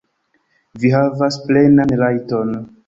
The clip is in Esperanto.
Vi havas plenan rajton.